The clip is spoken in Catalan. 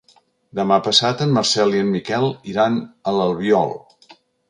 Demà passat en Marcel i en Miquel iran a l'Albiol.